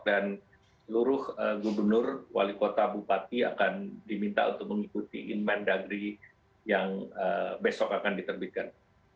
dan seluruh gubernur wali kota bupati akan diminta untuk mengikuti inmen dagri yang besok akan diterbitkan